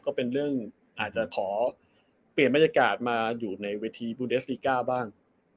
ก็เป็นเรื่องอาจจะขอเปลี่ยนบรรยากาศมาอยู่ในเวทีบูเดสติก้าบ้าง